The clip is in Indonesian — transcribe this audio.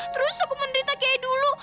terus aku menderita kayak dulu